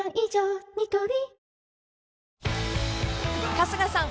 ［春日さん